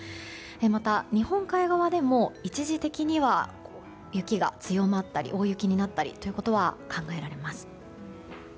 また、日本海側でも一時的には雪が強まったり大雪になったりということは考えられます。